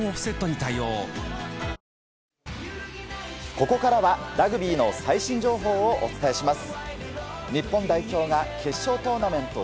ここからはラグビーの最新情報をお伝えします。